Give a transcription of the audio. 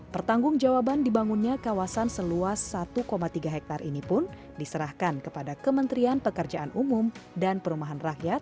pertanggung jawaban dibangunnya kawasan seluas satu tiga hektare ini pun diserahkan kepada kementerian pekerjaan umum dan perumahan rakyat